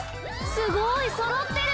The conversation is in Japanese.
すごいそろってる。